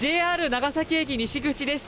ＪＲ長崎駅西口です。